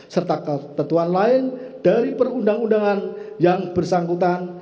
serta ketentuan lain dari perundang undangan yang bersangkutan